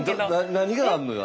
何があんのよ